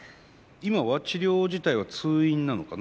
今は治療自体は通院なのかな？